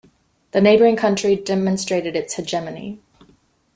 The neighbouring country demonstrated its hegemony.